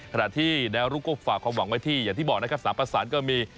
ขณะที่แนวรุกก็ฝากความหวังไว้ที่อย่างที่บอกนะครับ๓ประสานก็มี